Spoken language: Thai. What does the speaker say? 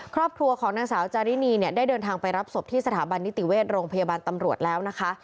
ครอบครัวของนางสาวจารินีเนี่ยได้เดินทางไปรับศพที่สถาบันนิติเวชโรงพยาบาลตำรวจแล้วนะคะ